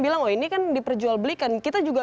bilang oh ini kan diperjualbelikan kita juga